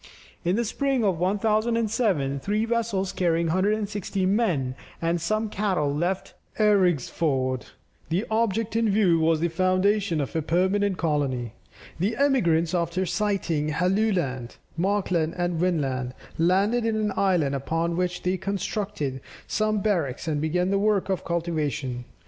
In the spring of 1007, three vessels carrying 160 men and some cattle, left Eriksfjord; the object in view was the foundation of a permanent colony. The emigrants after sighting Helluland, Markland, and Vinland, landed in an island, upon which they constructed some barracks and began the work of cultivation.